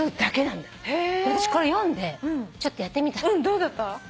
どうだった？